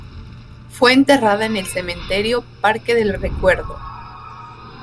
Fue enterrada en el cementerio Parque del Recuerdo.